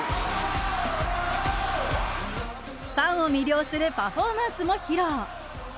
ファンを魅了するパフォーマンスも披露。